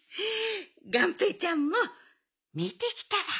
がんぺーちゃんもみてきたら？